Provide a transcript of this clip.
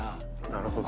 なるほど。